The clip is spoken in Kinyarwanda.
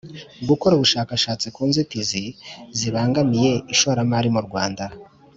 gukora ubushakashatsi ku nzitizi zibangamiye ishoramari mu rwanda